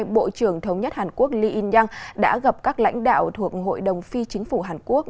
bộ trưởng thống nhất hàn quốc lee in yong đã gặp các lãnh đạo thuộc hội đồng phi chính phủ hàn quốc